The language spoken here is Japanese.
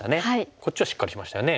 こっちはしっかりしましたね。